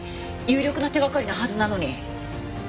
有力な手掛かりなはずなのに。